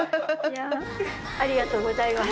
ありがとうございます。